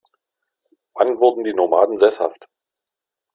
Wann wurden die Nomaden sesshaft?